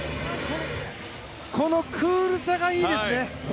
このクールさがいいですね！